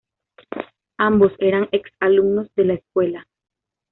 Ambos eran ex-alumnos de la escuela.